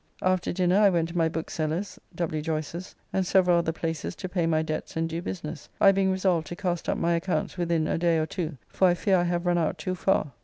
After dinner I went to my Bookseller's, W. Joyce's, and several other places to pay my debts and do business, I being resolved to cast up my accounts within a day or two, for I fear I have run out too far.